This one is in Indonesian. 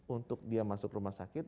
untuk dia masuk rumah sakit